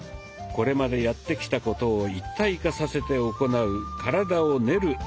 これまでやってきたことを一体化させて行う「体を練る」